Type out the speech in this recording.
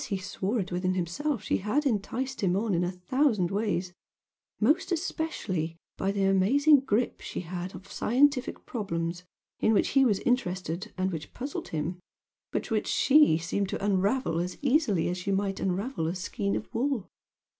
he swore it within himself, she had enticed him on in a thousand ways, most especially by the amazing "grip" she had of scientific problems in which he was interested and which puzzled him, but which she seemed to unravel as easily as she might unravel a skein of wool.